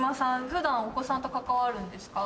普段お子さんと関わるんですか？